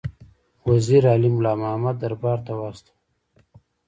وزیر علي مُلا محمد دربار ته واستاوه.